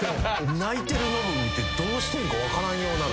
泣いてるノブ見てどうしていいか分からんようなる。